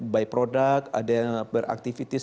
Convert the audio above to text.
by product ada yang beraktivitas